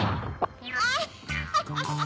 アッハハハ！